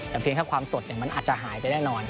แต่เพียงแค่ความสดมันอาจจะหายไปแน่นอน